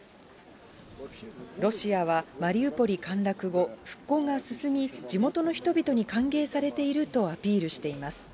ロシアはマリウポリ陥落後、復興が進み、地元の人々に歓迎されているとアピールしています。